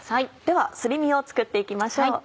ではすり身を作って行きましょう。